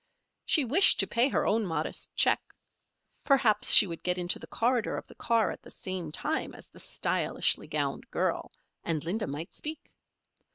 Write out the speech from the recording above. She wished to pay her own modest check. Perhaps she would get into the corridor of the car at the same time as the stylishly gowned girl, and Linda might speak.